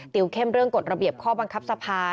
ติวเข้มเรื่องกฎระเบียบข้อบังคับสภา